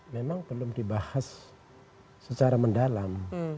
memang belum dibahas secara mendalam